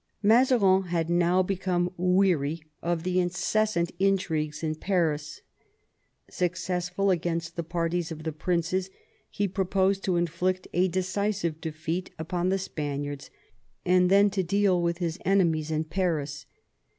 Mazarin had now become weary of the incessant intrigues in Paris. Successful against the parties of the princes, he proposed to inflict a decisive defeat upon the Spaniards, and then to deal with his enemies in Paris.